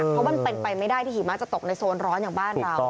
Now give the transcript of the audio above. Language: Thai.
เพราะมันเป็นไปไม่ได้ที่หิมะจะตกในโซนร้อนอย่างบ้านเรา